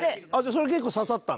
それは結構刺さったんだ？